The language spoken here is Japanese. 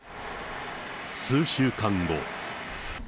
数週間後。